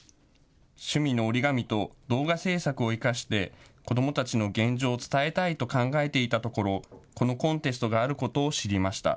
趣味の折り紙と動画制作を生かして子どもたちの現状を伝えたいと考えていたところこのコンテストがあることを知りました。